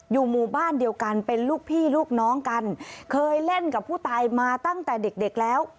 อยู่หมู่บ้านเดียวกันเป็นลูกพี่ลูกน้องกันเคยเล่นกับผู้ตายมาตั้งแต่เด็กเด็กแล้ว